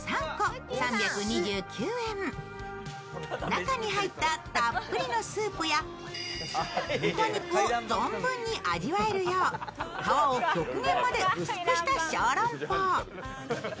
中に入ったたっぷりのスープや豚肉を存分に味わえるよう、皮を極限まで薄くした小籠包。